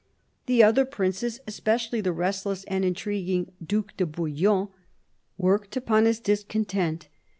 The other princes, especially the restless and intriguing Due de Bouillon, worked upon his discontent.